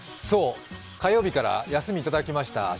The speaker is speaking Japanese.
そう、火曜日から休みいただきました。